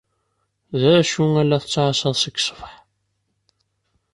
D acu i la tettɛassaḍ seg ṣṣbeḥ?